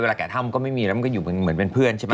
เหมือนแก่ถ้ำก็ไม่มีแล้วมันก็อยู่ที่เป็นเพื่อนใช่ไหม